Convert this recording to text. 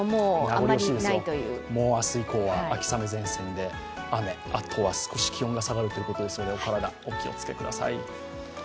名残惜しいですよ、明日以降は秋雨前線で雨、あとは少し気温が少し下がるということですのでお気をつけください。